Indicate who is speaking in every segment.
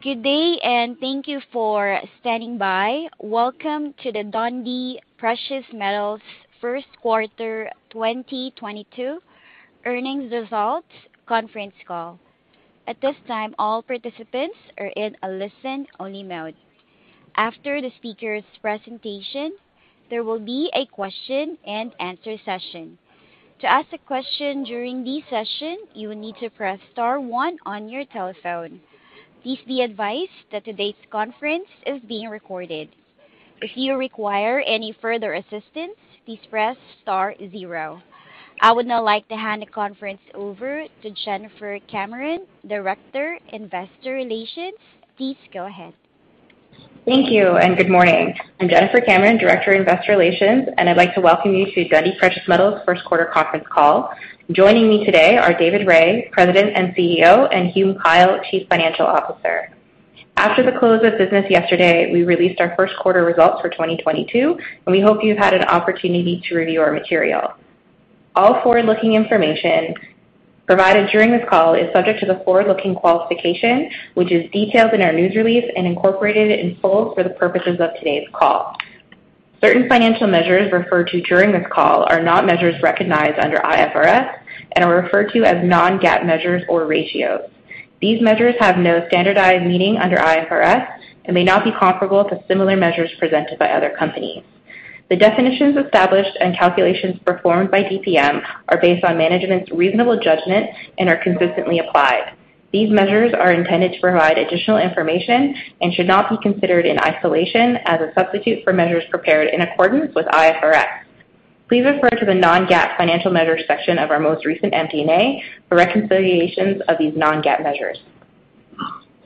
Speaker 1: Good day, and thank you for standing by. Welcome to the Dundee Precious Metals first quarter 2022 earnings results conference call. At this time, all participants are in a listen-only mode. After the speaker's presentation, there will be a question and answer session. To ask a question during this session, you will need to press star one on your telephone. Please be advised that today's conference is being recorded. If you require any further assistance, please press star zero. I would now like to hand the conference over to Jennifer Cameron, Director, Investor Relations. Please go ahead.
Speaker 2: Thank you and good morning. I'm Jennifer Cameron, Director, Investor Relations, and I'd like to welcome you to Dundee Precious Metals first quarter conference call. Joining me today are David Rae, President and CEO, and Hume Kyle, Chief Financial Officer. After the close of business yesterday, we released our first quarter results for 2022, and we hope you've had an opportunity to review our material. All forward-looking information provided during this call is subject to the forward-looking qualification, which is detailed in our news release and incorporated in full for the purposes of today's call. Certain financial measures referred to during this call are not measures recognized under IFRS and are referred to as non-GAAP measures or ratios. These measures have no standardized meaning under IFRS and may not be comparable to similar measures presented by other companies. The definitions established and calculations performed by DPM are based on management's reasonable judgment and are consistently applied. These measures are intended to provide additional information and should not be considered in isolation as a substitute for measures prepared in accordance with IFRS. Please refer to the non-GAAP financial measures section of our most recent MD&A for reconciliations of these non-GAAP measures.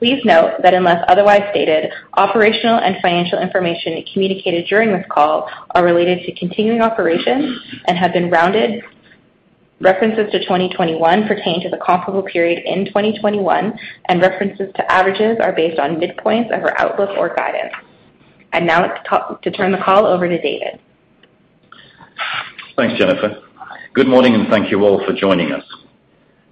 Speaker 2: Please note that unless otherwise stated, operational and financial information communicated during this call are related to continuing operations and have been rounded. References to 2021 pertain to the comparable period in 2021, and references to averages are based on midpoints of our outlook or guidance. Now it's to turn the call over to David Rae.
Speaker 3: Thanks, Jennifer. Good morning, and thank you all for joining us.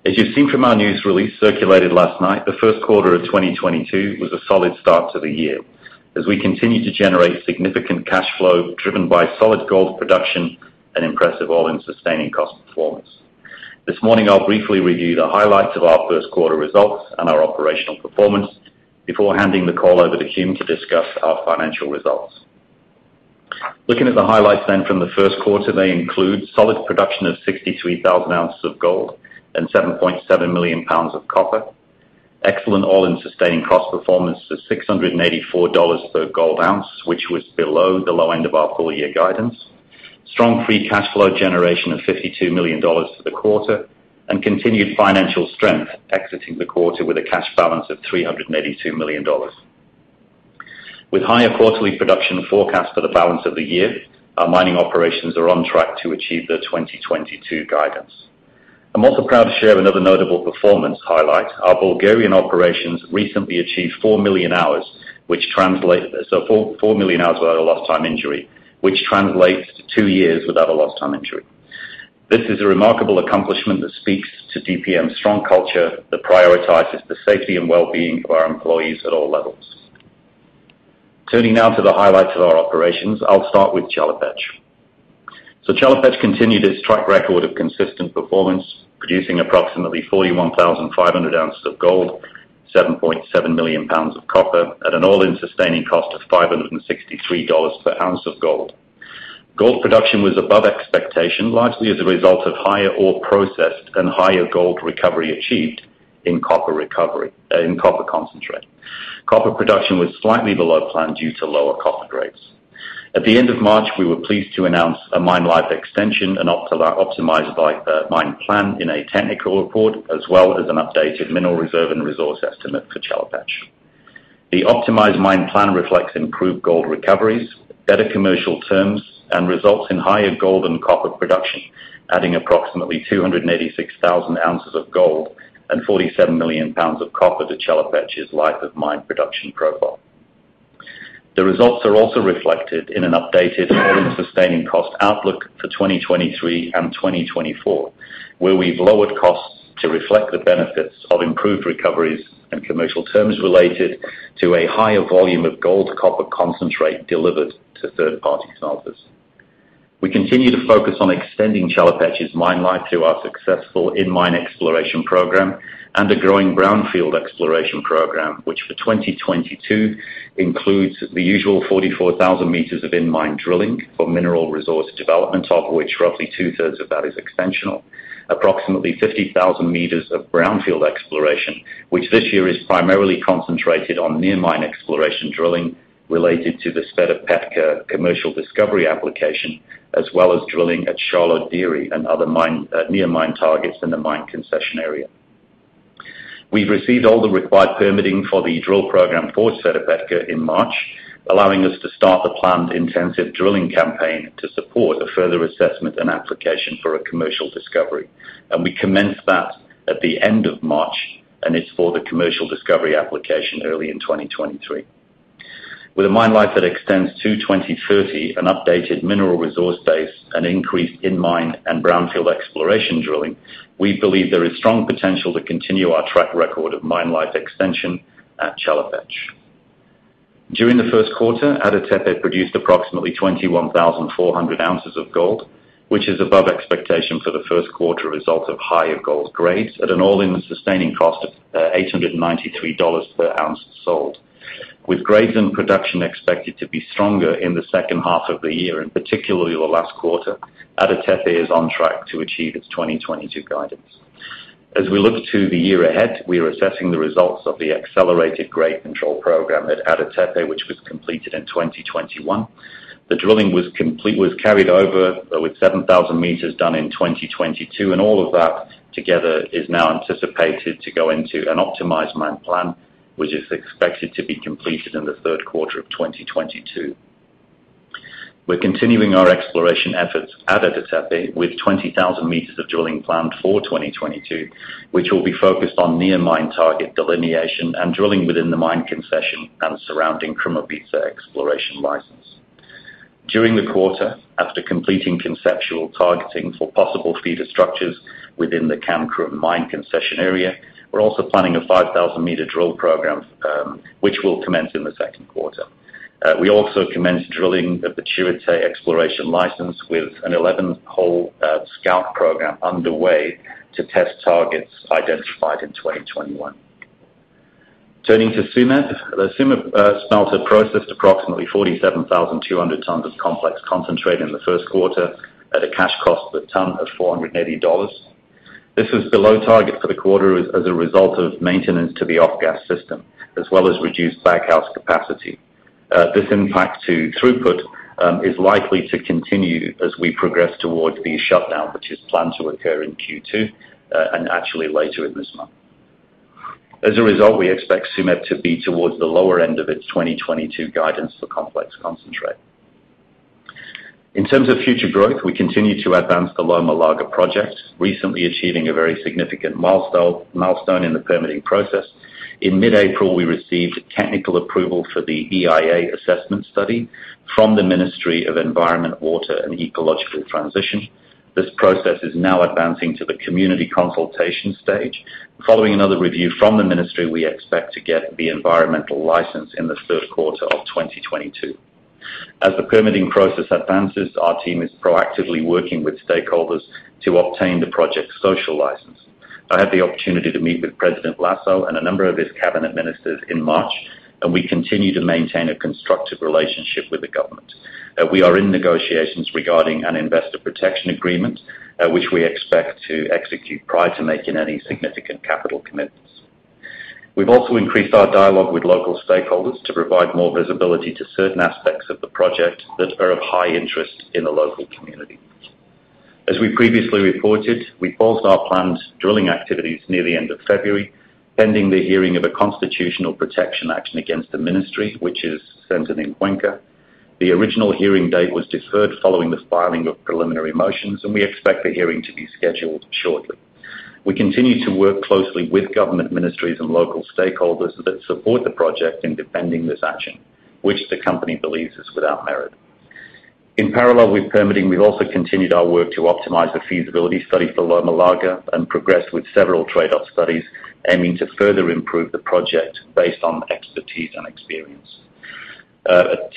Speaker 3: As you've seen from our news release circulated last night, the first quarter of 2022 was a solid start to the year as we continue to generate significant cash flow driven by solid gold production and impressive all-in sustaining cost performance. This morning I'll briefly review the highlights of our first quarter results and our operational performance before handing the call over to Hume to discuss our financial results. Looking at the highlights from the first quarter, they include solid production of 63,000 ounces of gold and 7.7 million pounds of copper, excellent all-in sustaining cost performance of $684 per gold ounce, which was below the low end of our full year guidance, strong free cash flow generation of $52 million for the quarter, and continued financial strength exiting the quarter with a cash balance of $382 million. With higher quarterly production forecast for the balance of the year, our mining operations are on track to achieve the 2022 guidance. I'm also proud to share another notable performance highlight. Our Bulgarian operations recently achieved 4 million hours without a lost time injury, which translates to two years without a lost time injury. This is a remarkable accomplishment that speaks to DPM's strong culture that prioritizes the safety and well-being of our employees at all levels. Turning now to the highlights of our operations, I'll start with Chelopech. Chelopech continued its track record of consistent performance, producing approximately 41,500 ounces of gold, 7.7 million pounds of copper at an all-in sustaining cost of $563 per ounce of gold. Gold production was above expectation, largely as a result of higher ore processed and higher gold recovery achieved in copper recovery in copper concentrate. Copper production was slightly below plan due to lower copper grades. At the end of March, we were pleased to announce a mine life extension and optimized life mine plan in a technical report, as well as an updated mineral reserve and resource estimate for Chelopech. The optimized mine plan reflects improved gold recoveries, better commercial terms, and results in higher gold and copper production, adding approximately 286,000 ounces of gold and 47 million pounds of copper to Chelopech's life of mine production profile. The results are also reflected in an updated all-in sustaining cost outlook for 2023 and 2024, where we've lowered costs to reflect the benefits of improved recoveries and commercial terms related to a higher volume of gold copper concentrate delivered to third-party smelters. We continue to focus on extending Chelopech's mine life through our successful in-mine exploration program and a growing brownfield exploration program, which for 2022 includes the usual 44,000 meters of in-mine drilling for mineral resource development, of which roughly 2/3 of that is extensional. Approximately 50,000 meters of brownfield exploration, which this year is primarily concentrated on near mine exploration drilling related to the Sveta Petka Commercial Discovery Application, as well as drilling at Sharlo Dere and other mine, near mine targets in the mine concession area. We've received all the required permitting for the drill program for Sveta Petka in March, allowing us to start the planned intensive drilling campaign to support a further assessment and application for a commercial discovery. We commenced that at the end of March, and it's for the commercial discovery application early in 2023. With a mine life that extends to 2030, an updated mineral resource base, an increase in mine and brownfield exploration drilling, we believe there is strong potential to continue our track record of mine life extension at Chelopech. During the first quarter, Ada Tepe produced approximately 21,400 ounces of gold, which is above expectation for the first quarter result of higher gold grades at an all-in sustaining cost of $893 per ounce sold. With grades in production expected to be stronger in the second half of the year, and particularly the last quarter, Ada Tepe is on track to achieve its 2022 guidance. As we look to the year ahead, we are assessing the results of the Accelerated Grade Control Program at Ada Tepe, which was completed in 2021. The drilling was carried over with 7,000 meters done in 2022, and all of that together is now anticipated to go into an optimized mine plan, which is expected to be completed in the third quarter of 2022. We're continuing our exploration efforts at Ada Tepe with 20,000 meters of drilling planned for 2022, which will be focused on near mine target delineation and drilling within the mine concession and surrounding Krumovitsa Exploration License. During the quarter, after completing conceptual targeting for possible feeder structures within the Chelopech mine concession area, we're also planning a 5,000-meter drill program, which will commence in the second quarter. We also commenced drilling at the Chirite Exploration License with an 11-hole scout program underway to test targets identified in 2021. Turning to Tsumeb. The Tsumeb smelter processed approximately 47,200 tons of complex concentrate in the first quarter at a cash cost per ton of $480. This is below target for the quarter as a result of maintenance to the off-gas system, as well as reduced baghouse capacity. This impact to throughput is likely to continue as we progress towards the shutdown, which is planned to occur in Q2 and actually later in this month. As a result, we expect Tsumeb to be towards the lower end of its 2022 guidance for complex concentrate. In terms of future growth, we continue to advance the Loma Larga project, recently achieving a very significant milestone in the permitting process. In mid-April, we received technical approval for the EIA assessment study from the Ministry of Environment, Water and Ecological Transition. This process is now advancing to the community consultation stage. Following another review from the ministry, we expect to get the environmental license in the third quarter of 2022. As the permitting process advances, our team is proactively working with stakeholders to obtain the project's social license. I had the opportunity to meet with President Lasso and a number of his cabinet ministers in March, and we continue to maintain a constructive relationship with the government. We are in negotiations regarding an investor protection agreement, which we expect to execute prior to making any significant capital commitments. We've also increased our dialogue with local stakeholders to provide more visibility to certain aspects of the project that are of high interest in the local community. As we previously reported, we paused our planned drilling activities near the end of February, pending the hearing of a constitutional protection action against the ministry, which is centered in Cuenca. The original hearing date was deferred following the filing of preliminary motions, and we expect the hearing to be scheduled shortly. We continue to work closely with government ministries and local stakeholders that support the project in defending this action, which the company believes is without merit. In parallel with permitting, we've also continued our work to optimize the feasibility study for Loma Larga and progress with several trade-off studies aiming to further improve the project based on expertise and experience.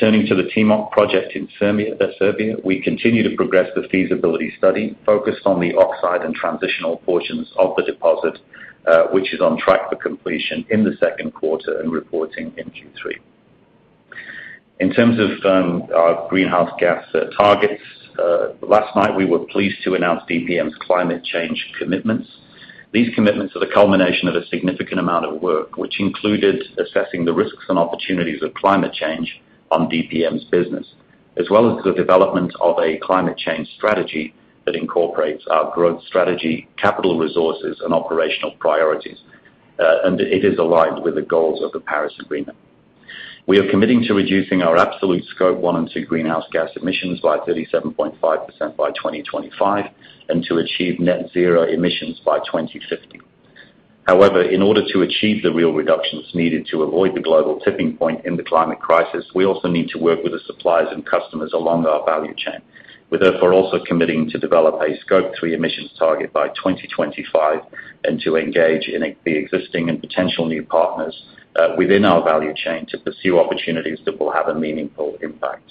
Speaker 3: Turning to the Timok project in Serbia, we continue to progress the feasibility study focused on the oxide and transitional portions of the deposit, which is on track for completion in the second quarter and reporting in Q3. In terms of our greenhouse gas targets, last night we were pleased to announce DPM's climate change commitments. These commitments are the culmination of a significant amount of work which included assessing the risks and opportunities of climate change on DPM's business, as well as the development of a climate change strategy that incorporates our growth strategy, capital resources and operational priorities. It is aligned with the goals of the Paris Agreement. We are committing to reducing our absolute Scope 1 and 2 greenhouse gas emissions by 37.5% by 2025, and to achieve net zero emissions by 2050. However, in order to achieve the real reductions needed to avoid the global tipping point in the climate crisis, we also need to work with the suppliers and customers along our value chain. We're therefore also committing to develop a Scope 3 emissions target by 2025, and to engage the existing and potential new partners within our value chain to pursue opportunities that will have a meaningful impact.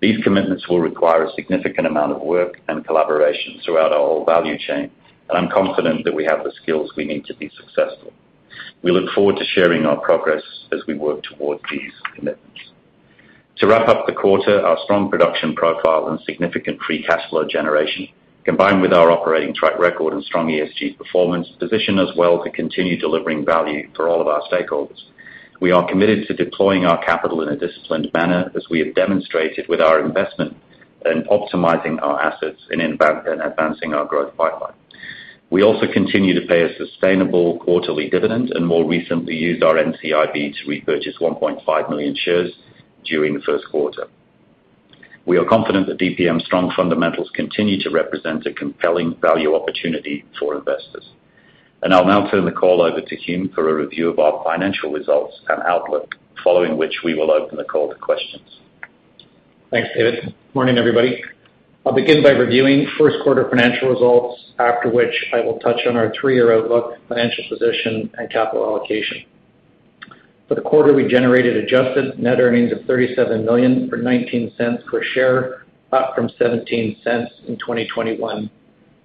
Speaker 3: These commitments will require a significant amount of work and collaboration throughout our whole value chain, and I'm confident that we have the skills we need to be successful. We look forward to sharing our progress as we work towards these commitments. To wrap up the quarter, our strong production profile and significant free cash flow generation, combined with our operating track record and strong ESG performance, position us well to continue delivering value for all of our stakeholders. We are committed to deploying our capital in a disciplined manner, as we have demonstrated with our investment in optimizing our assets and advancing our growth pipeline. We also continue to pay a sustainable quarterly dividend and more recently used our NCIB to repurchase 1.5 million shares during the first quarter. We are confident that DPM's strong fundamentals continue to represent a compelling value opportunity for investors. I'll now turn the call over to Hume for a review of our financial results and outlook, following which we will open the call to questions.
Speaker 4: Thanks, David. Morning, everybody. I'll begin by reviewing first quarter financial results, after which I will touch on our three-year outlook, financial position, and capital allocation. For the quarter, we generated adjusted net earnings of $37 million, or $0.19 per share, up from $0.17 in 2021.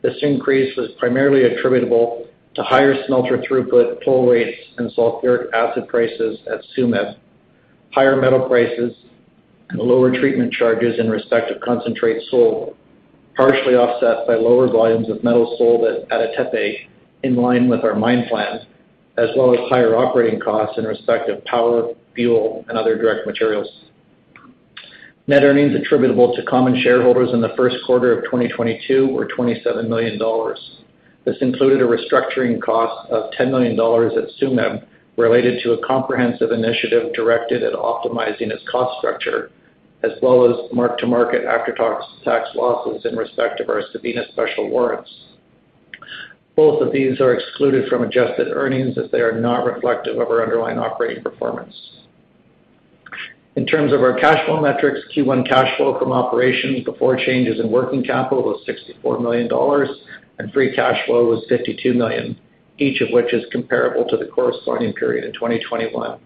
Speaker 4: This increase was primarily attributable to higher smelter throughput, toll rates, and sulfuric acid prices at Tsumeb, higher metal prices, and lower treatment charges in respect to concentrate sold, partially offset by lower volumes of metal sold at Ada Tepe in line with our mine plans, as well as higher operating costs in respect of power, fuel, and other direct materials. Net earnings attributable to common shareholders in the first quarter of 2022 were $27 million. This included a restructuring cost of $10 million at Tsumeb related to a comprehensive initiative directed at optimizing its cost structure, as well as mark-to-market after tax losses in respect of our Sabina special warrants. Both of these are excluded from adjusted earnings as they are not reflective of our underlying operating performance. In terms of our cash flow metrics, Q1 cash flow from operations before changes in working capital was $64 million, and free cash flow was $52 million, each of which is comparable to the corresponding period in 2021.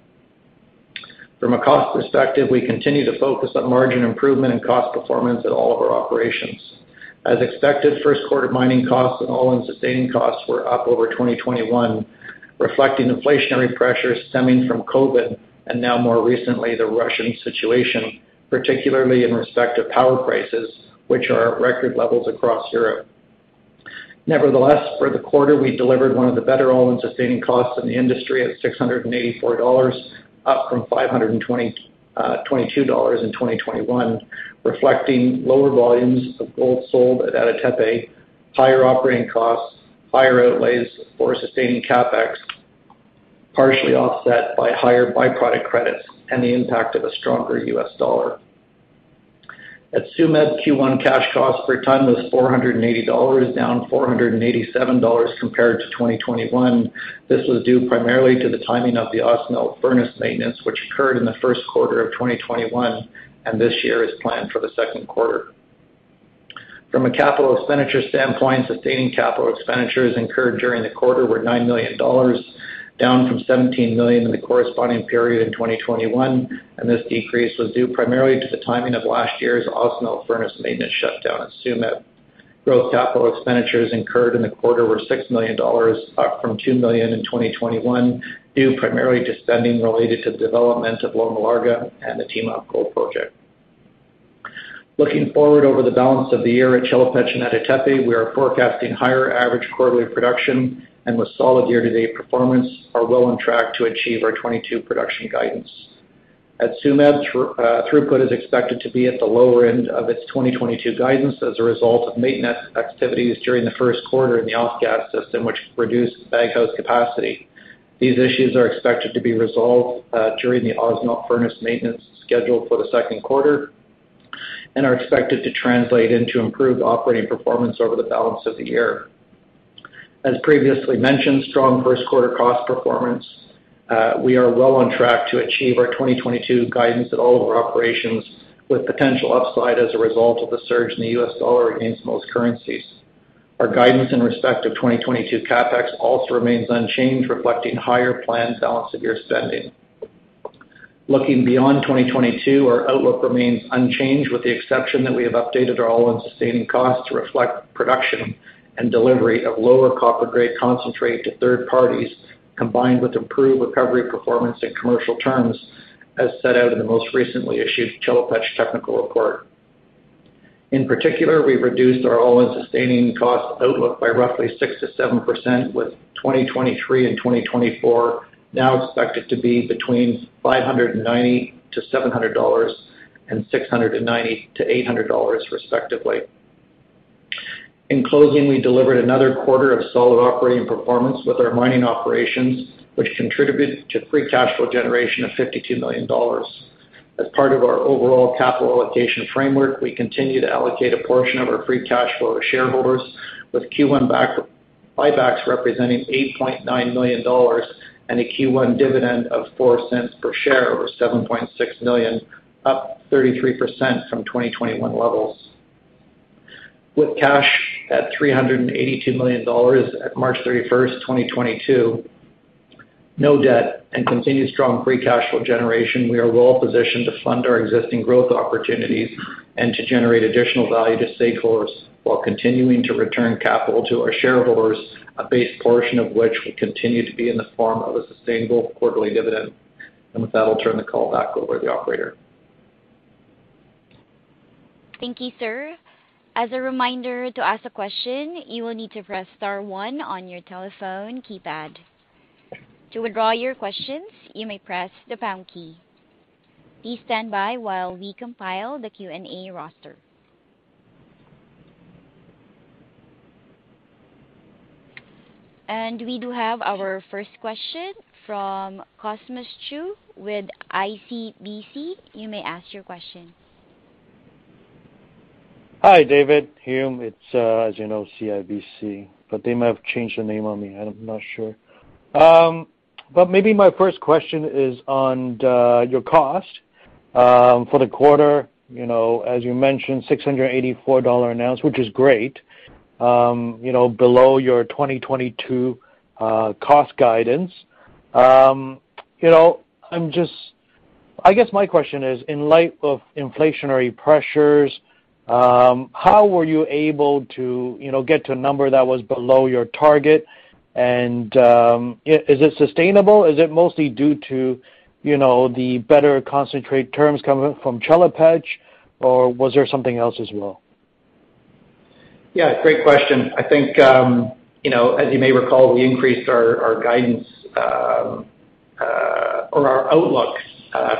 Speaker 4: From a cost perspective, we continue to focus on margin improvement and cost performance at all of our operations. As expected, first quarter mining costs and all-in sustaining costs were up over 2021, reflecting inflationary pressures stemming from COVID, and now more recently, the Russian situation, particularly in respect to power prices, which are at record levels across Europe. Nevertheless, for the quarter, we delivered one of the better all-in sustaining costs in the industry at $684, up from $522 in 2021, reflecting lower volumes of gold sold at Ada Tepe, higher operating costs, higher outlays for sustaining CapEx, partially offset by higher byproduct credits and the impact of a stronger U.S. dollar. At Tsumeb, Q1 cash costs per ton was $480, down $487 compared to 2021. This was due primarily to the timing of the Ausmelt furnace maintenance, which occurred in the first quarter of 2021, and this year is planned for the second quarter. From a capital expenditure standpoint, sustaining capital expenditures incurred during the quarter were $9 million, down from $17 million in the corresponding period in 2021, and this decrease was due primarily to the timing of last year's Ausmelt furnace maintenance shutdown at Tsumeb. Growth capital expenditures incurred in the quarter were $6 million, up from $2 million in 2021, due primarily to spending related to development of Loma Larga and the Timok Gold project. Looking forward over the balance of the year at Chelopech and Ada Tepe, we are forecasting higher average quarterly production and with solid year-to-date performance are well on track to achieve our 2022 production guidance. At Tsumeb, throughput is expected to be at the lower end of its 2022 guidance as a result of maintenance activities during the first quarter in the off-gas system, which reduced baghouse capacity. These issues are expected to be resolved during the Ausmelt furnace maintenance scheduled for the second quarter and are expected to translate into improved operating performance over the balance of the year. As previously mentioned, strong first quarter cost performance. We are well on track to achieve our 2022 guidance at all of our operations with potential upside as a result of the surge in the U.S. dollar against most currencies. Our guidance in respect of 2022 CapEx also remains unchanged, reflecting higher planned balance of year spending. Looking beyond 2022, our outlook remains unchanged with the exception that we have updated our all-in sustaining costs to reflect production and delivery of lower copper grade concentrate to third parties, combined with improved recovery performance and commercial terms as set out in the most recently issued Chelopech technical report. In particular, we've reduced our all-in sustaining cost outlook by roughly 6%-7% with 2023 and 2024 now expected to be between $590-$700 and $690-$800 respectively. In closing, we delivered another quarter of solid operating performance with our mining operations, which contributed to free cash flow generation of $52 million. As part of our overall capital allocation framework, we continue to allocate a portion of our free cash flow to shareholders with Q1 buybacks representing $8.9 million and a Q1 dividend of $0.04 per share or $7.6 million, up 33% from 2021 levels. With cash at $382 million at March 31, 2022, no debt, and continued strong free cash flow generation, we are well positioned to fund our existing growth opportunities and to generate additional value to stakeholders while continuing to return capital to our shareholders, a base portion of which will continue to be in the form of a sustainable quarterly dividend. With that, I'll turn the call back over to the operator.
Speaker 1: Thank you, sir. As a reminder, to ask a question, you will need to press star one on your telephone keypad. To withdraw your questions, you may press the pound key. Please stand by while we compile the Q&A roster. We do have our first question from Cosmos Chiu with CIBC. You may ask your question.
Speaker 5: Hi, David Rae, Hume Kyle. It's, as you know, CIBC, but they might have changed the name on me. I'm not sure. But maybe my first question is on your cost for the quarter. You know, as you mentioned, $684 an ounce, which is great, you know, below your 2022 cost guidance. You know, I guess my question is, in light of inflationary pressures, how were you able to, you know, get to a number that was below your target? Is it sustainable? Is it mostly due to, you know, the better concentrate terms coming from Chelopech or was there something else as well?
Speaker 4: Yeah, great question. I think, you know, as you may recall, we increased our guidance or our outlook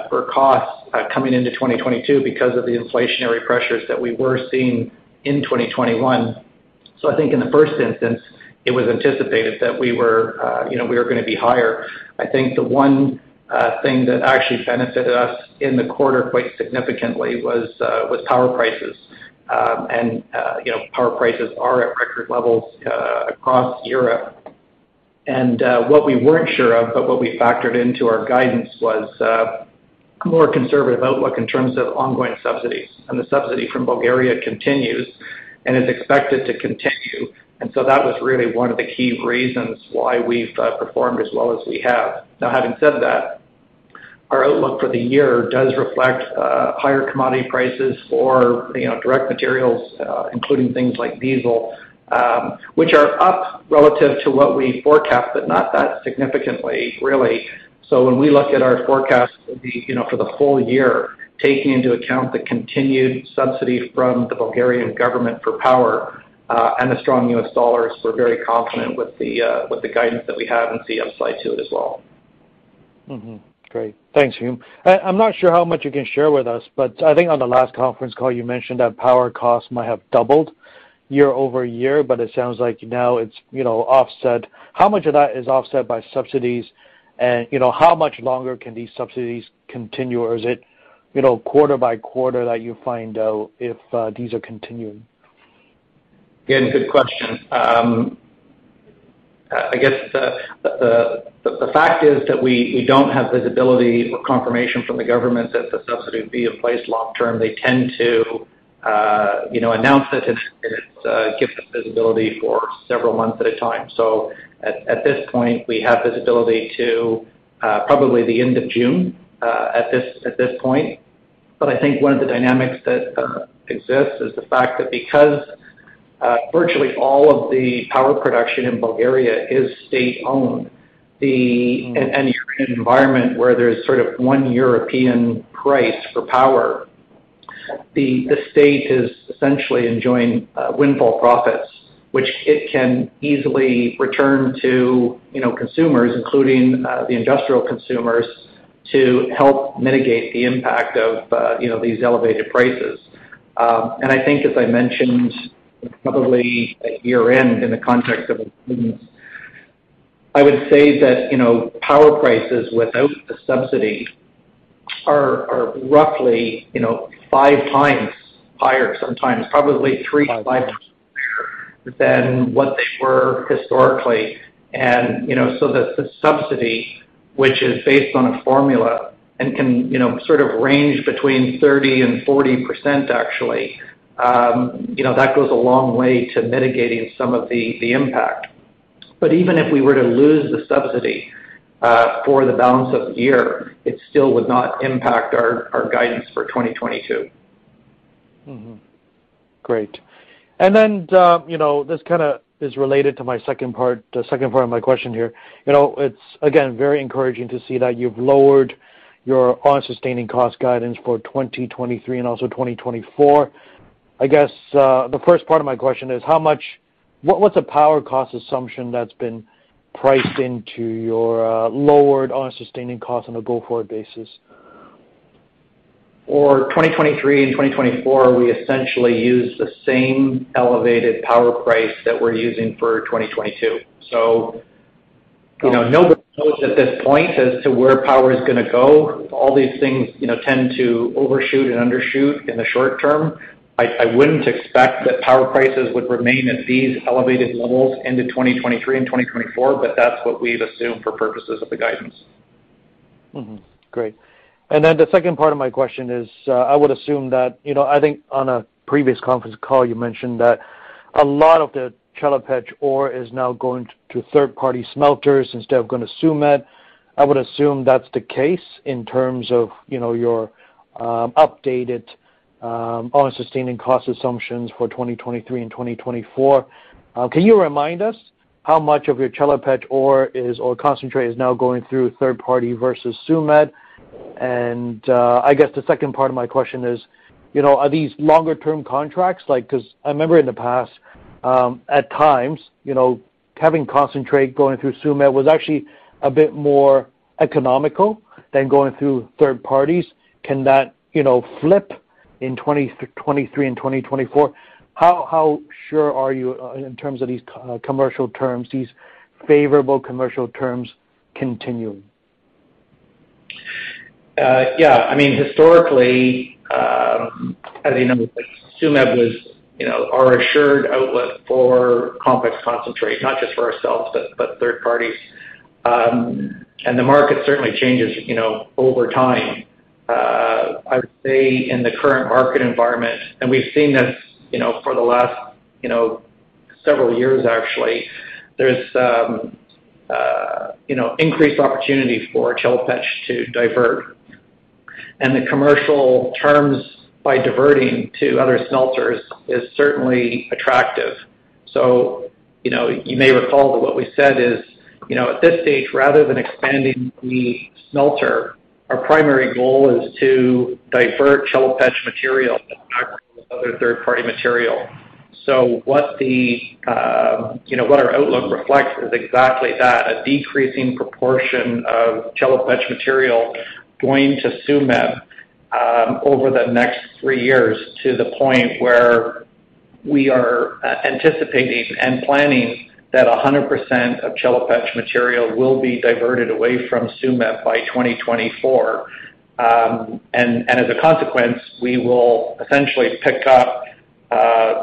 Speaker 4: for costs coming into 2022 because of the inflationary pressures that we were seeing in 2021. I think in the first instance, it was anticipated that we were, you know, we were gonna be higher. I think the one thing that actually benefited us in the quarter quite significantly was power prices. You know, power prices are at record levels across Europe. What we weren't sure of, but what we factored into our guidance was a more conservative outlook in terms of ongoing subsidies. The subsidy from Bulgaria continues and is expected to continue. That was really one of the key reasons why we've performed as well as we have. Now, having said that, our outlook for the year does reflect higher commodity prices for, you know, direct materials, including things like diesel, which are up relative to what we forecast, but not that significantly, really. When we look at our forecast for the, you know, for the whole year, taking into account the continued subsidy from the Bulgarian government for power and the strong US dollars, we're very confident with the guidance that we have and see upside to it as well.
Speaker 5: Mm-hmm. Great. Thanks, Hume. I'm not sure how much you can share with us, but I think on the last conference call, you mentioned that power costs might have doubled year over year, but it sounds like now it's, you know, offset. How much of that is offset by subsidies? You know, how much longer can these subsidies continue, or is it, you know, quarter by quarter that you find out if these are continuing?
Speaker 4: Again, good question. I guess the fact is that we don't have visibility or confirmation from the government that the subsidy will be in place long term. They tend to, you know, announce it and give us visibility for several months at a time. At this point, we have visibility to probably the end of June at this point. But I think one of the dynamics that exists is the fact that because virtually all of the power production in Bulgaria is state-owned. You're in an environment where there's sort of one European price for power. The state is essentially enjoying windfall profits, which it can easily return to, you know, consumers, including the industrial consumers, to help mitigate the impact of these elevated prices. I think as I mentioned, probably at year-end in the context of earnings, I would say that power prices without the subsidy are roughly five times higher sometimes, probably three to five times higher than what they were historically. The subsidy, which is based on a formula and can sort of range between 30% and 40% actually, goes a long way to mitigating some of the impact. Even if we were to lose the subsidy for the balance of the year, it still would not impact our guidance for 2022.
Speaker 5: Mm-hmm. Great. Then, you know, this kinda is related to my second part of my question here. You know, it's again very encouraging to see that you've lowered your all-in sustaining cost guidance for 2023 and also 2024. I guess the first part of my question is what's a power cost assumption that's been priced into your lowered all-in sustaining cost on a go-forward basis?
Speaker 4: For 2023 and 2024, we essentially use the same elevated power price that we're using for 2022.
Speaker 5: Got it.
Speaker 4: You know, nobody knows at this point as to where power is gonna go. All these things, you know, tend to overshoot and undershoot in the short term. I wouldn't expect that power prices would remain at these elevated levels into 2023 and 2024, but that's what we've assumed for purposes of the guidance.
Speaker 5: Great. The second part of my question is, I would assume that, you know, I think on a previous conference call, you mentioned that a lot of the Chelopech ore is now going to third-party smelters instead of going to Tsumeb. I would assume that's the case in terms of, you know, your updated all-in sustaining cost assumptions for 2023 and 2024. Can you remind us how much of your Chelopech ore concentrate is now going through third-party versus Tsumeb? I guess the second part of my question is, you know, are these longer-term contracts? Because I remember in the past, at times, you know, having concentrate going through Tsumeb was actually a bit more economical than going through third parties. Can that, you know, flip? In 2023 and 2024, how sure are you in terms of these commercial terms, these favorable commercial terms continuing?
Speaker 4: I mean, historically, as you know, like Tsumeb was, you know, our assured outlet for complex concentrate, not just for ourselves but third parties. The market certainly changes, you know, over time. I would say in the current market environment, and we've seen this, you know, for the last, you know, several years actually, there's, you know, increased opportunity for Chelopech to divert. The commercial terms by diverting to other smelters is certainly attractive. You know, you may recall that what we said is, you know, at this stage, rather than expanding the smelter, our primary goal is to divert Chelopech material other third-party material. What our outlook reflects is exactly that, a decreasing proportion of Chelopech material going to Tsumeb over the next three years to the point where we are anticipating and planning that 100% of Chelopech material will be diverted away from Tsumeb by 2024. As a consequence, we will essentially pick up,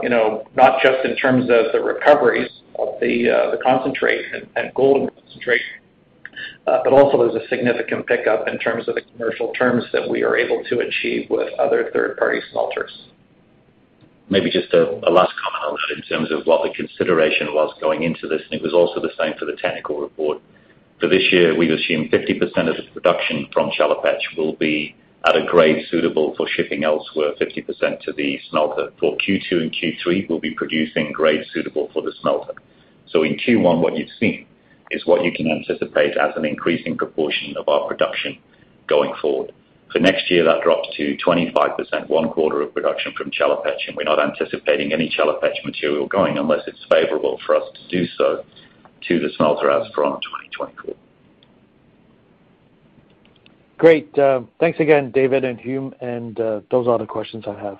Speaker 4: you know, not just in terms of the recoveries of the concentrate and gold concentrate, but also there's a significant pickup in terms of the commercial terms that we are able to achieve with other third-party smelters.
Speaker 3: Maybe just a last comment on that in terms of what the consideration was going into this, and it was also the same for the technical report. For this year, we've assumed 50% of the production from Chelopech will be at a grade suitable for shipping elsewhere, 50% to the smelter. For Q2 and Q3, we'll be producing grades suitable for the smelter. In Q1, what you've seen is what you can anticipate as an increasing proportion of our production going forward. For next year, that drops to 25%, one quarter of production from Chelopech, and we're not anticipating any Chelopech material going unless it's favorable for us to do so to the smelter as far as 2024.
Speaker 5: Great. Thanks again, David and Hume, and those are all the questions I have.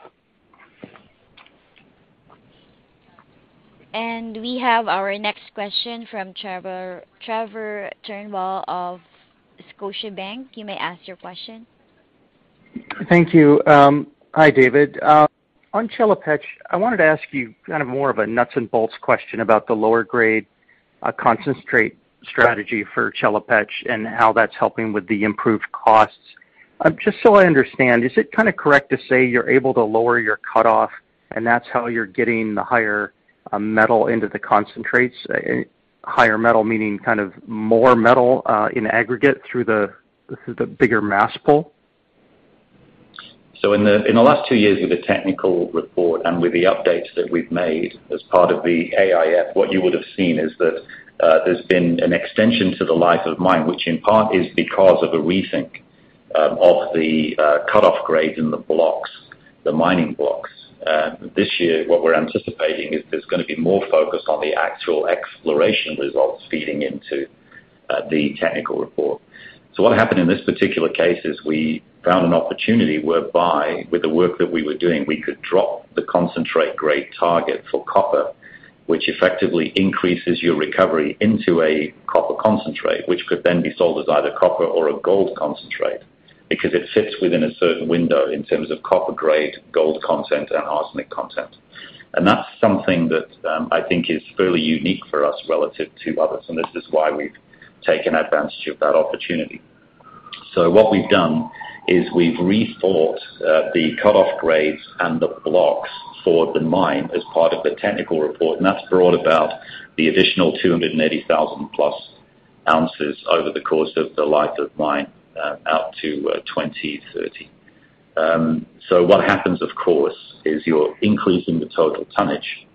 Speaker 1: We have our next question from Trevor Turnbull of Scotiabank. You may ask your question.
Speaker 6: Thank you. Hi, David. On Chelopech, I wanted to ask you kind of more of a nuts and bolts question about the lower grade concentrate strategy for Chelopech, and how that's helping with the improved costs. Just so I understand, is it kinda correct to say you're able to lower your cutoff, and that's how you're getting the higher metal into the concentrates? A higher metal meaning kind of more metal in aggregate through the bigger mass pull?
Speaker 3: In the last two years with the technical report and with the updates that we've made as part of the AIF, what you would have seen is that there's been an extension to the life of mine, which in part is because of a rethink of the cutoff grade in the blocks, the mining blocks. This year, what we're anticipating is there's gonna be more focus on the actual exploration results feeding into the technical report. What happened in this particular case is we found an opportunity whereby with the work that we were doing, we could drop the concentrate grade target for copper, which effectively increases your recovery into a copper concentrate, which could then be sold as either copper or a gold concentrate because it fits within a certain window in terms of copper grade, gold content, and arsenic content. That's something that I think is fairly unique for us relative to others, and this is why we've taken advantage of that opportunity. What we've done is we've rethought the cutoff grades and the blocks for the mine as part of the technical report, and that's brought about the additional 280,000+ ounces over the course of the life of mine out to 2030. What happens, of course, is you're increasing the total tonnage,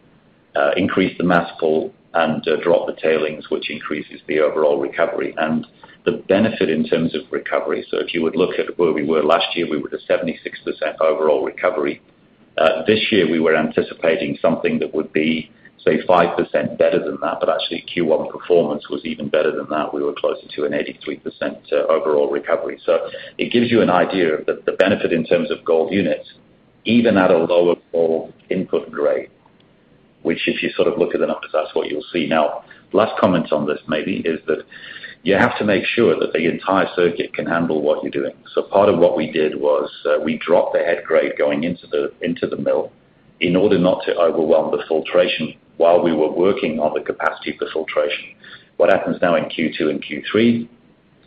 Speaker 3: increase the mass pull, and drop the tailings, which increases the overall recovery. The benefit in terms of recovery, so if you would look at where we were last year, we were at 76% overall recovery. This year, we were anticipating something that would be, say, 5% better than that. Actually, Q1 performance was even better than that. We were closer to an 83% overall recovery. It gives you an idea of the benefit in terms of gold units, even at a lower overall input grade, which if you sort of look at the numbers, that's what you'll see. Now, last comment on this maybe is that you have to make sure that the entire circuit can handle what you're doing. Part of what we did was, we dropped the head grade going into the mill in order not to overwhelm the filtration while we were working on the capacity for filtration. What happens now in Q2 and Q3,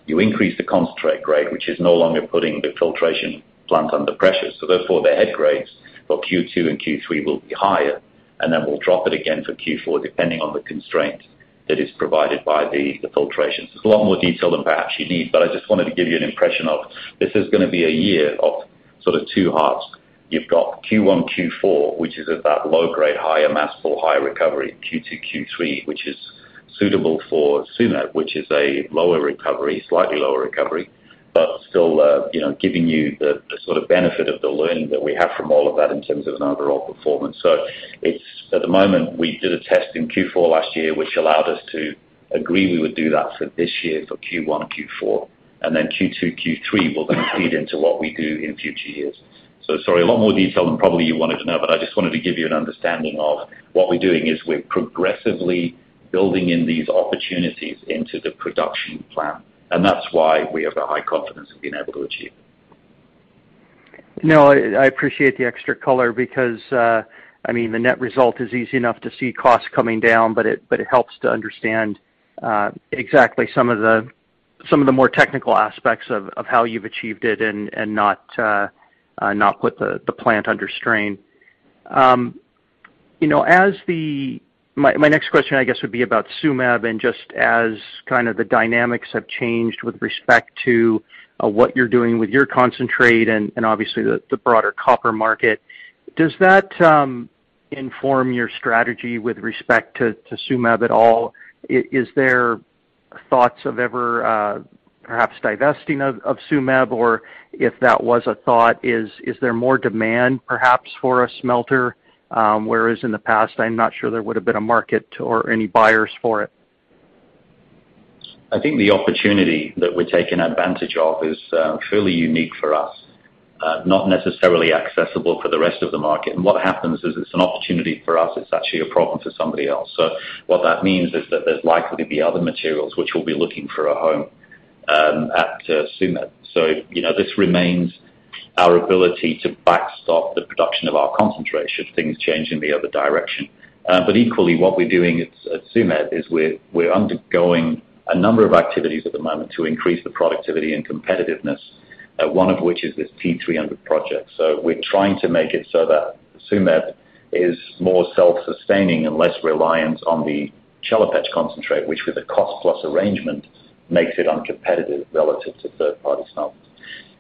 Speaker 3: you increase the concentrate grade, which is no longer putting the filtration plant under pressure. Therefore, the head grades for Q2 and Q3 will be higher, and then we'll drop it again for Q4, depending on the constraint that is provided by the filtration. It's a lot more detail than perhaps you need, but I just wanted to give you an impression of this is gonna be a year of sort of two halves. You've got Q1, Q4, which is at that low grade, higher mass or high recovery. Q2, Q3, which is suitable for Tsumeb, which is a lower recovery, slightly lower recovery, but still, you know, giving you the sort of benefit of the learning that we have from all of that in terms of an overall performance. It's, at the moment, we did a test in Q4 last year, which allowed us to agree we would do that for this year for Q1 and Q4. Q2, Q3 will then feed into what we do in future years. Sorry, a lot more detail than probably you wanted to know, but I just wanted to give you an understanding of what we're doing is we're progressively building in these opportunities into the production plan, and that's why we have the high confidence we've been able to achieve.
Speaker 6: No, I appreciate the extra color because, I mean, the net result is easy enough to see costs coming down, but it helps to understand exactly some of the more technical aspects of how you've achieved it and not put the plant under strain. You know, my next question, I guess, would be about Tsumeb and just as kind of the dynamics have changed with respect to what you're doing with your concentrate and obviously the broader copper market. Does that inform your strategy with respect to Tsumeb at all? Is there thoughts of ever perhaps divesting of Tsumeb? If that was a thought, is there more demand perhaps for a smelter, whereas in the past, I'm not sure there would have been a market or any buyers for it.
Speaker 3: I think the opportunity that we're taking advantage of is fairly unique for us, not necessarily accessible for the rest of the market. What happens is it's an opportunity for us, it's actually a problem for somebody else. What that means is that there's likely to be other materials which will be looking for a home at Tsumeb. You know, this remains our ability to backstop the production of our concentrate should things change in the other direction. Equally, what we're doing at Tsumeb is we're undergoing a number of activities at the moment to increase the productivity and competitiveness, one of which is this P300 project. We're trying to make it so that Tsumeb is more self-sustaining and less reliant on the Chelopech concentrate, which with a cost plus arrangement makes it uncompetitive relative to third-party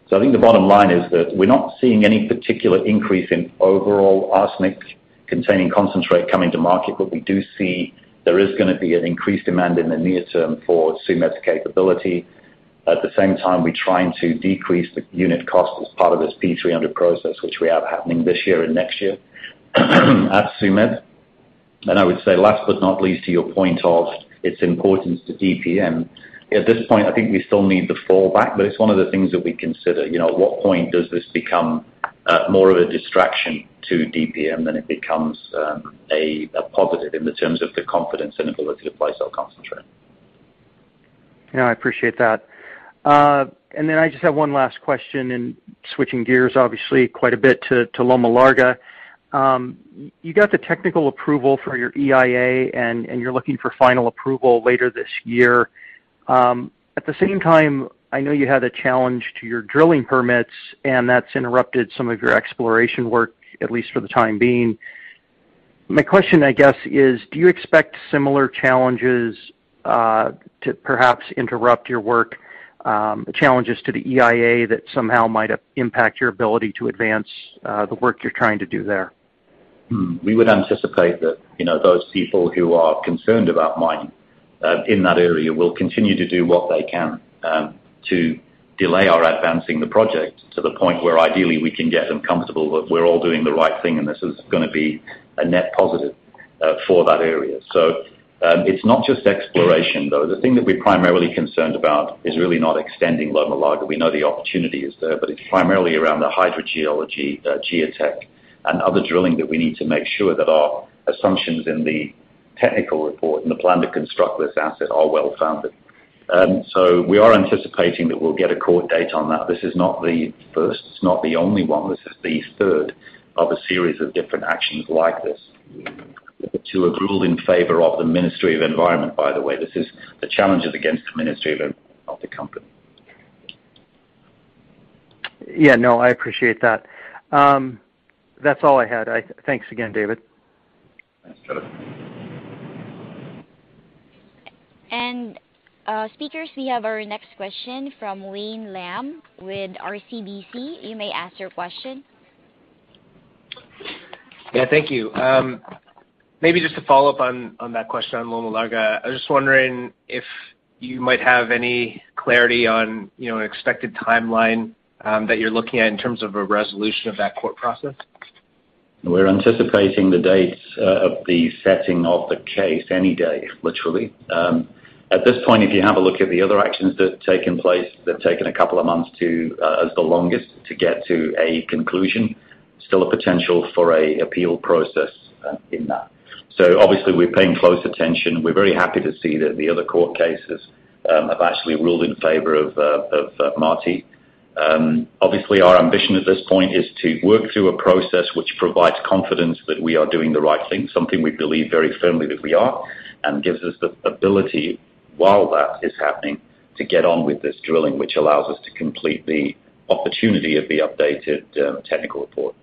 Speaker 3: smelters. I think the bottom line is that we're not seeing any particular increase in overall arsenic-containing concentrate coming to market, but we do see there is gonna be an increased demand in the near term for Tsumeb's capability. At the same time, we're trying to decrease the unit cost as part of this P300 process, which we have happening this year and next year at Tsumeb. I would say last but not least to your point of its importance to DPM, at this point, I think we still need the fallback, but it's one of the things that we consider. You know, at what point does this become more of a distraction to DPM than it becomes a positive in the terms of the confidence and ability to place our concentrate.
Speaker 6: Yeah, I appreciate that. I just have one last question and switching gears obviously quite a bit to Loma Larga. You got the technical approval for your EIA and you're looking for final approval later this year. At the same time, I know you had a challenge to your drilling permits, and that's interrupted some of your exploration work, at least for the time being. My question, I guess, is do you expect similar challenges to perhaps interrupt your work, challenges to the EIA that somehow might impact your ability to advance the work you're trying to do there?
Speaker 3: We would anticipate that, you know, those people who are concerned about mining in that area will continue to do what they can to delay our advancing the project to the point where ideally we can get them comfortable that we're all doing the right thing and this is gonna be a net positive for that area. It's not just exploration, though. The thing that we're primarily concerned about is really not extending Loma Larga. We know the opportunity is there, but it's primarily around the hydrogeology, geotech, and other drilling that we need to make sure that our assumptions in the technical report and the plan to construct this asset are well-founded. We are anticipating that we'll get a court date on that. This is not the first. It's not the only one. This is the third of a series of different actions like this to a ruling in favor of the Ministry of Environment, by the way. This is the challenges against the Ministry of Environment of the company.
Speaker 6: Yeah, no, I appreciate that. That's all I had. Thanks again, David.
Speaker 3: Thanks, Trevor.
Speaker 1: Speakers, we have our next question from Wayne Lam with RBC. You may ask your question.
Speaker 7: Yeah, thank you. Maybe just to follow up on that question on Loma Larga. I was just wondering if you might have any clarity on, you know, an expected timeline that you're looking at in terms of a resolution of that court process.
Speaker 3: We're anticipating the dates of the setting of the case any day, literally. At this point, if you have a look at the other actions that have taken place, they've taken a couple of months to get to a conclusion. Still a potential for an appeal process in that. Obviously we're paying close attention. We're very happy to see that the other court cases have actually ruled in favor of MAATE. Obviously, our ambition at this point is to work through a process which provides confidence that we are doing the right thing, something we believe very firmly that we are, and gives us the ability, while that is happening, to get on with this drilling, which allows us to complete the opportunity of the updated technical report.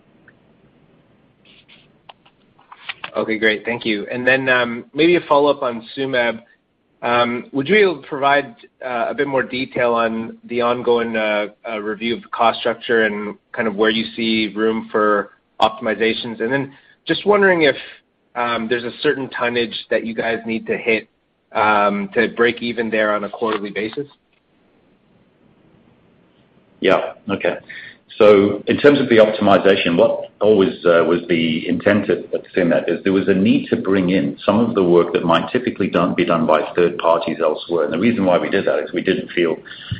Speaker 7: Okay, great. Thank you. Then, maybe a follow-up on Tsumeb. Would you be able to provide a bit more detail on the ongoing review of the cost structure and kind of where you see room for optimizations? Then just wondering if there's a certain tonnage that you guys need to hit to break even there on a quarterly basis.
Speaker 3: Yeah. Okay. In terms of the optimization, what always was the intent at Tsumeb is there was a need to bring in some of the work that might typically be done by third parties elsewhere. The reason why we did that is we didn't feel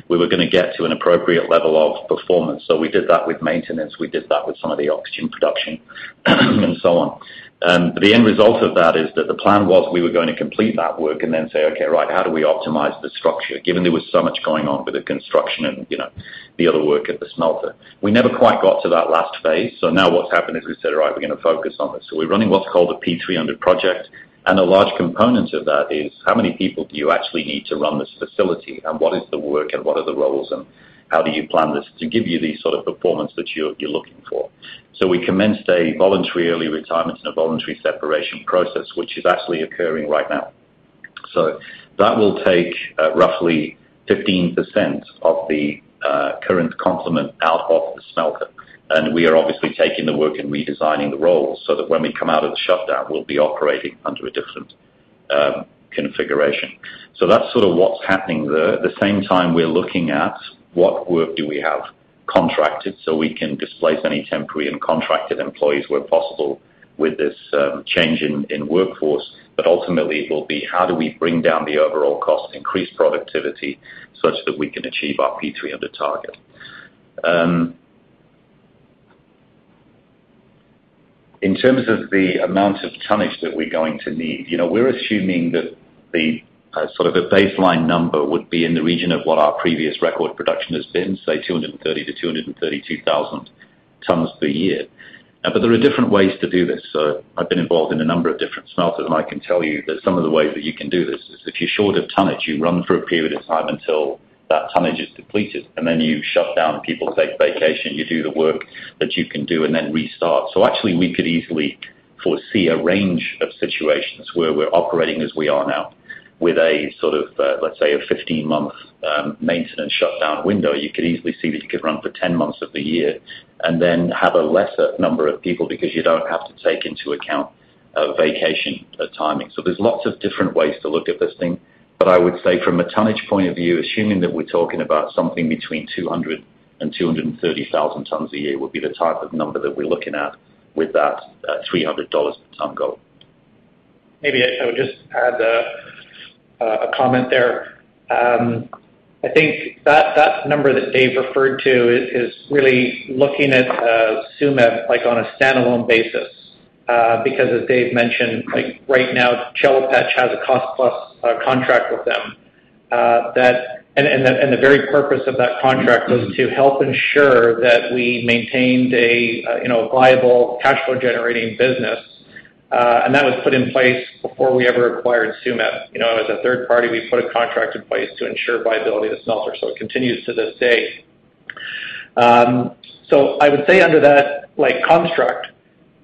Speaker 3: we were gonna get to an appropriate level of performance. We did that with maintenance. We did that with some of the oxygen production and so on. The end result of that is that the plan was we were going to complete that work and then say, "Okay, right, how do we optimize the structure given there was so much going on with the construction and, you know, the other work at the smelter?" We never quite got to that last phase. Now what's happened is we said, "All right, we're gonna focus on this." We're running what's called a P300 project, and a large component of that is how many people do you actually need to run this facility and what is the work and what are the roles and how do you plan this to give you the sort of performance that you're looking for? We commenced a voluntary early retirement and a voluntary separation process, which is actually occurring right now. That will take roughly 15% of the current complement out of the smelter. We are obviously taking the work and redesigning the roles so that when we come out of the shutdown, we'll be operating under a different configuration. That's sort of what's happening there. At the same time, we're looking at what work do we have contracted so we can displace any temporary and contracted employees where possible with this change in workforce. Ultimately, it will be how do we bring down the overall cost, increase productivity such that we can achieve our P300 target. In terms of the amount of tonnage that we're going to need, you know, we're assuming that the sort of a baseline number would be in the region of what our previous record production has been, say 230,000-232,000 tons per year. There are different ways to do this. I've been involved in a number of different smelters, and I can tell you that some of the ways that you can do this is if you're short of tonnage, you run for a period of time until that tonnage is depleted, and then you shut down, people take vacation, you do the work that you can do and then restart. Actually, we could easily foresee a range of situations where we're operating as we are now with a sort of, let's say a 15-month maintenance shutdown window. You could easily see that you could run for 10 months of the year and then have a lesser number of people because you don't have to take into account, vacation, timing. There's lots of different ways to look at this thing. I would say from a tonnage point of view, assuming that we're talking about something between 200-230,000 tons a year would be the type of number that we're looking at with that, $300 per ton goal.
Speaker 4: Maybe I would just add a comment there. I think that number that David referred to is really looking at Tsumeb like on a standalone basis, because as David mentioned, like right now, Chelopech has a cost plus contract with them, that the very purpose of that contract was to help ensure that we maintained a viable cash flow generating business. That was put in place before we ever acquired Tsumeb. You know, as a third party, we put a contract in place to ensure viability of the smelter. It continues to this day. I would say under that like construct,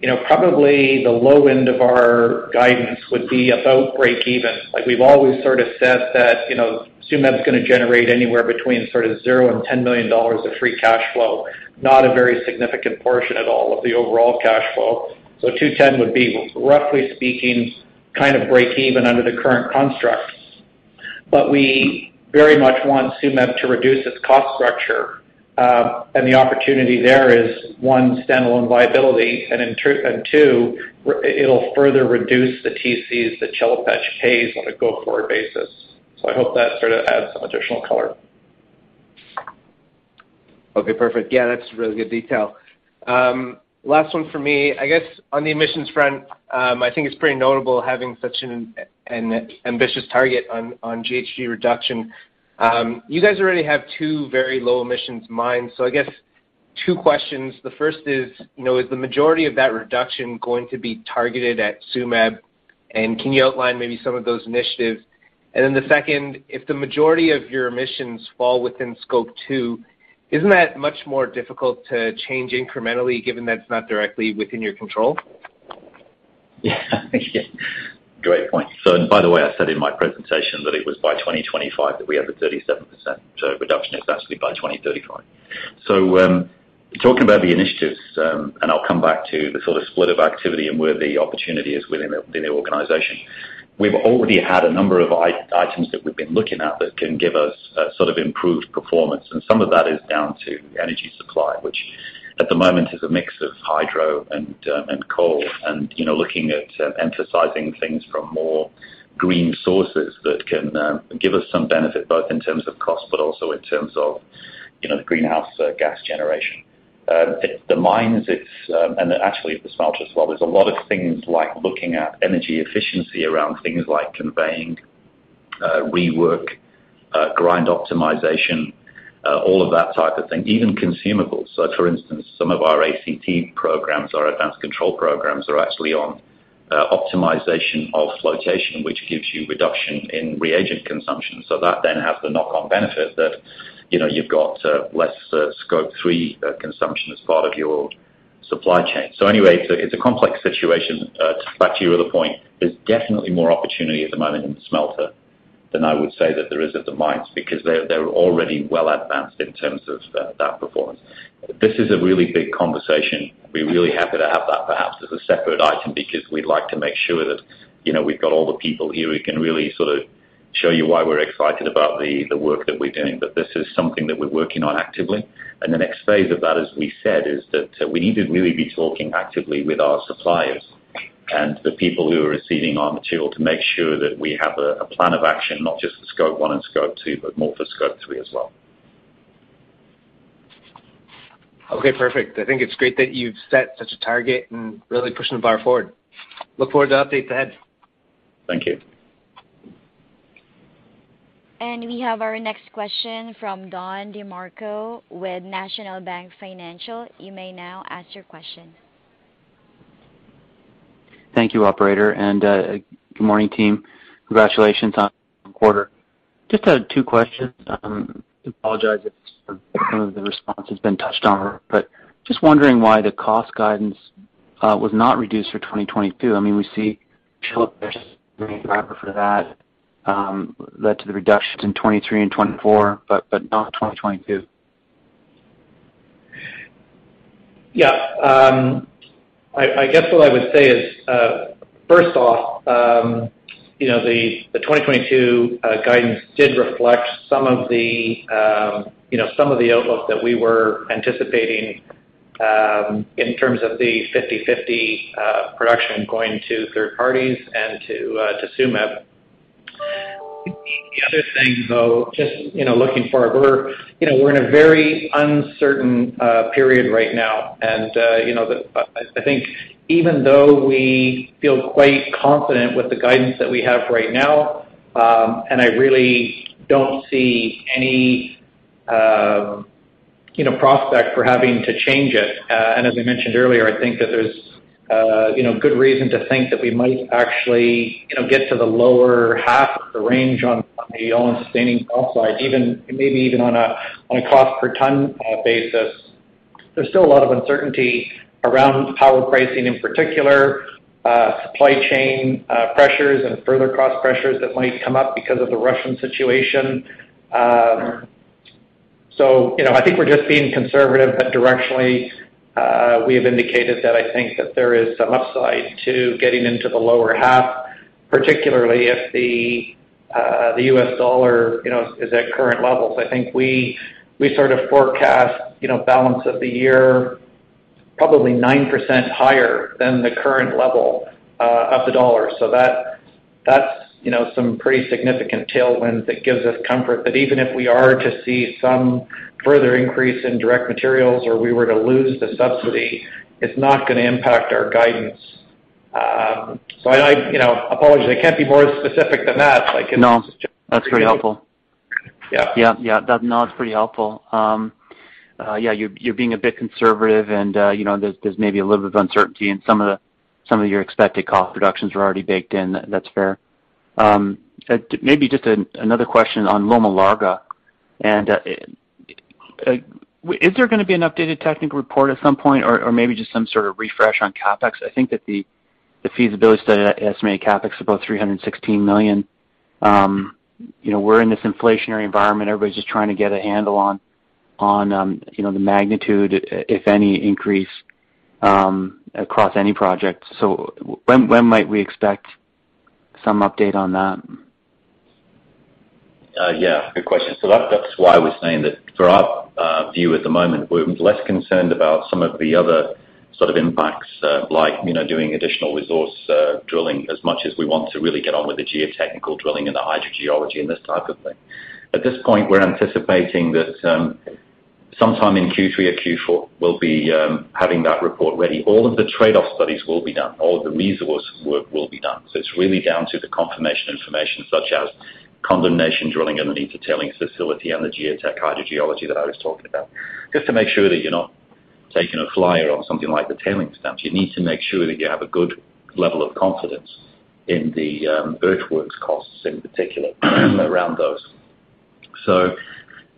Speaker 4: you know, probably the low end of our guidance would be about breakeven. Like we've always sort of said that, you know, Tsumeb is gonna generate anywhere between sort of $0 and $10 million of free cash flow, not a very significant portion at all of the overall cash flow. $2-$10 would be roughly speaking, kind of breakeven under the current constructs. We very much want Tsumeb to reduce its cost structure. The opportunity there is one, standalone viability, and two, it'll further reduce the TCs that Chelopech pays on a go-forward basis. I hope that sort of adds some additional color.
Speaker 7: Okay, perfect. Yeah, that's really good detail. Last one for me. I guess on the emissions front, I think it's pretty notable having such an ambitious target on GHG reduction. You guys already have two very low emissions mines. I guess two questions. The first is, you know, is the majority of that reduction going to be targeted at Tsumeb? Can you outline maybe some of those initiatives? The second, if the majority of your emissions fall within Scope 2, isn't that much more difficult to change incrementally given that it's not directly within your control?
Speaker 3: Yeah. Great point. By the way, I said in my presentation that it was by 2025 that we have the 37% reduction. It's actually by 2035. Talking about the initiatives, and I'll come back to the sort of split of activity and where the opportunity is within the organization. We've already had a number of items that we've been looking at that can give us sort of improved performance. Some of that is down to energy supply, which at the moment is a mix of hydro and coal, and you know, looking at emphasizing things from more green sources that can give us some benefit, both in terms of cost, but also in terms of you know, the greenhouse gas generation. The mines, and actually the smelter as well, there's a lot of things like looking at energy efficiency around things like conveying, rework, grind optimization, all of that type of thing, even consumables. So for instance, some of our ACT programs or advanced control programs are actually on optimization of flotation, which gives you reduction in reagent consumption. So that then has the knock-on benefit that, you know, you've got less Scope 3 consumption as part of your supply chain. So anyway, it's a complex situation. Back to your other point, there's definitely more opportunity at the moment in the smelter than I would say that there is at the mines because they're already well advanced in terms of that performance. This is a really big conversation. be really happy to have that perhaps as a separate item because we'd like to make sure that, you know, we've got all the people here who can really sort of show you why we're excited about the work that we're doing, but this is something that we're working on actively. The next phase of that, as we said, is that we need to really be talking actively with our suppliers and the people who are receiving our material to make sure that we have a plan of action, not just the Scope 1 and Scope 2, but more for Scope 3 as well.
Speaker 7: Okay, perfect. I think it's great that you've set such a target and really pushing the bar forward. Look forward to updates ahead.
Speaker 3: Thank you.
Speaker 1: We have our next question from Don DeMarco with National Bank Financial. You may now ask your question.
Speaker 8: Thank you, operator. Good morning, team. Congratulations on the quarter. Just two questions. Apologize if some of the response has been touched on, but just wondering why the cost guidance was not reduced for 2022. I mean, we saw that led to the reductions in 2023 and 2024, but not 2022.
Speaker 4: Yeah. I guess what I would say is, first off, you know, the 2022 guidance did reflect some of the outlook that we were anticipating, in terms of the 50/50 production going to third parties and to Tsumeb. The other thing, though, just, you know, looking forward, you know, we're in a very uncertain period right now. I think even though we feel quite confident with the guidance that we have right now, and I really don't see any, you know, prospect for having to change it. As I mentioned earlier, I think that there's you know good reason to think that we might actually you know get to the lower half of the range on the all-in sustaining cost side, maybe even on a cost per ton basis. There's still a lot of uncertainty around power pricing in particular supply chain pressures and further cost pressures that might come up because of the Russian situation. You know I think we're just being conservative, but directionally we have indicated that I think that there is some upside to getting into the lower half, particularly if the U.S. dollar you know is at current levels. I think we sort of forecast you know balance of the year probably 9% higher than the current level of the dollar. That's you know some pretty significant tailwind that gives us comfort that even if we are to see some further increase in direct materials or we were to lose the subsidy, it's not gonna impact our guidance. I you know apologize, I can't be more specific than that.
Speaker 8: No. That's very helpful.
Speaker 4: Yeah.
Speaker 8: Yeah. That's pretty helpful. Yeah, you're being a bit conservative and, you know, there's maybe a little bit of uncertainty and some of your expected cost reductions were already baked in. That's fair. Maybe just another question on Loma Larga. Is there gonna be an updated technical report at some point or maybe just some sort of refresh on CapEx? I think that the feasibility study estimated CapEx of about $316 million. You know, we're in this inflationary environment. Everybody's just trying to get a handle on, you know, the magnitude, if any, increase across any project. When might we expect some update on that?
Speaker 3: Good question. That's why we're saying that for our view at the moment, we're less concerned about some of the other sort of impacts, like, you know, doing additional resource drilling as much as we want to really get on with the geotechnical drilling and the hydrogeology and this type of thing. At this point, we're anticipating that sometime in Q3 or Q4, we'll be having that report ready. All of the trade-off studies will be done, all of the resource work will be done. It's really down to the confirmation information such as condemnation drilling and the need for tailings facility and the geotech hydrogeology that I was talking about. Just to make sure that you're not taking a flyer on something like the tailings dam. You need to make sure that you have a good level of confidence in the earthworks costs in particular around those.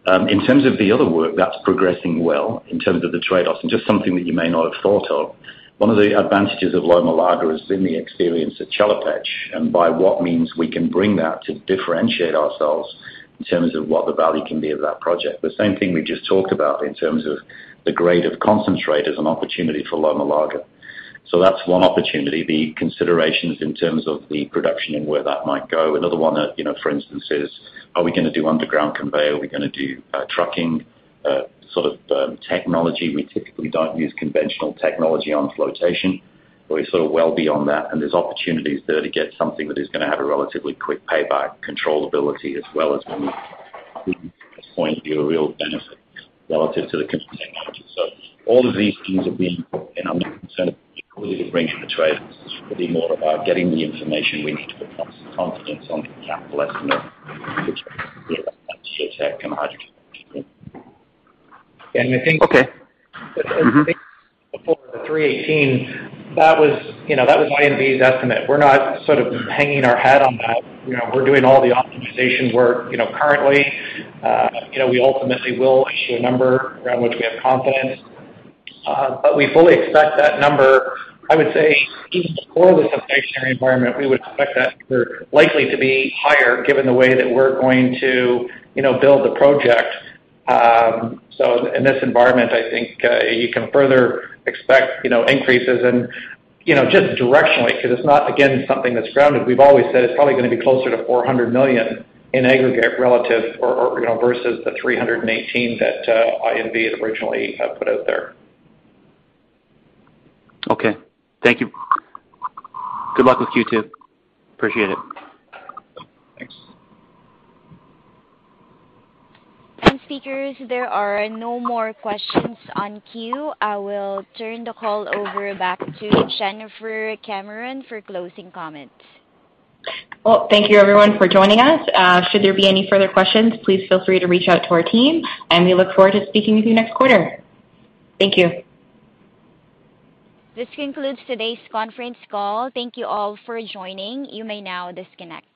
Speaker 3: In terms of the other work, that's progressing well in terms of the trade-offs. Just something that you may not have thought of, one of the advantages of Loma Larga is in the experience of Chelopech, and by what means we can bring that to differentiate ourselves in terms of what the value can be of that project. The same thing we just talked about in terms of the grade of concentrate as an opportunity for Loma Larga. That's one opportunity. The considerations in terms of the production and where that might go. Another one that, you know, for instance, is are we gonna do underground conveyor? Are we gonna do trucking? Sort of technology. We typically don't use conventional technology on flotation. We're sort of well beyond that, and there's opportunities there to get something that is gonna have a relatively quick payback, controllability as well as when we point to you a real benefit relative to the competing technologies. All of these things are being, and I'm not concerned bringing the trade. This will be more about getting the information we need to put confidence on the capital estimate.
Speaker 4: I think.
Speaker 8: Okay. Mm-hmm.
Speaker 4: Before the $318 million, that was, you know, that was INV's estimate. We're not sort of hanging our hat on that. You know, we're doing all the optimization work, you know, currently. You know, we ultimately will issue a number around which we have confidence. We fully expect that number. I would say even before this inflationary environment, we would expect that number likely to be higher given the way that we're going to, you know, build the project. In this environment, I think you can further expect, you know, increases and, you know, just directionally because it's not, again, something that's grounded. We've always said it's probably gonna be closer to $400 million in aggregate relative or, you know, versus the $318 million that INV had originally put out there.
Speaker 8: Okay. Thank you. Good luck with Q2. Appreciate it.
Speaker 4: Thanks.
Speaker 1: Speakers, there are no more questions in queue. I will turn the call over back to Jennifer Cameron for closing comments.
Speaker 2: Well, thank you everyone for joining us. Should there be any further questions, please feel free to reach out to our team, and we look forward to speaking with you next quarter. Thank you.
Speaker 1: This concludes today's conference call. Thank you all for joining. You may now disconnect.